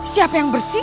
siapa yang bersih